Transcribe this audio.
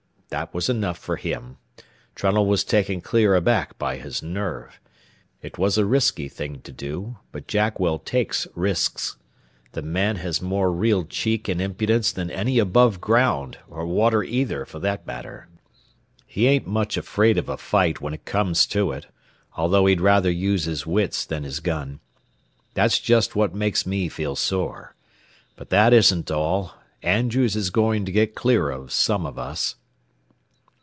That was enough for him. Trunnell was taken clear aback by his nerve. It was a risky thing to do, but Jackwell takes risks. The man has more real cheek and impudence than any above ground, or water either, for that matter. He ain't much afraid of a fight when it comes to it, although he'd rather use his wits than his gun. That's just what makes me feel sore. But that isn't all. Andrews is going to get clear of some of us."